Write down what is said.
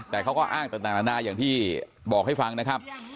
แต่เขาก็อ้างต่างนานาอย่างที่บอกให้ฟังนะครับ